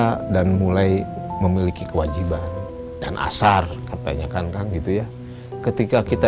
kita dan mulai memiliki kewajiban dan asar katanya kan kang gitu ya ketika kita